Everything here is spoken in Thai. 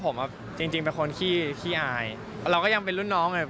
ผมอ่ะจริงเป็นคนขี้ขี้อายเราก็ยังเป็นรุ่นน้องเลย